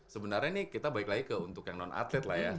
sebenarnya ini kita balik lagi ke untuk yang non atlet lah ya